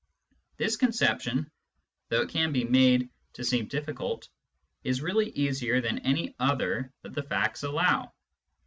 This conception, though it can be made to seem difficult, is really easier than any other that the facts allow.